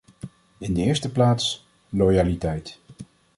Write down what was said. In de eerste plaats: loyaliteit.